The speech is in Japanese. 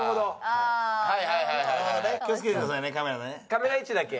カメラ位置だけ。